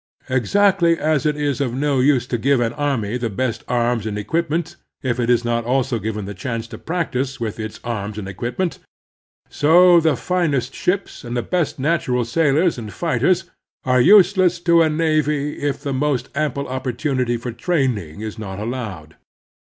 Exactly as it is of no use to give an army the best arms and equipment if it is not also given the chance to practise with its arms and equipment, so the finest ships and the best natural sailors and fighters are useless to a navy if the most ample opportunity for training is not allowed.